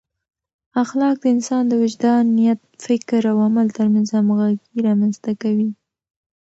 اخلاق د انسان د وجدان، نیت، فکر او عمل ترمنځ همغږي رامنځته کوي.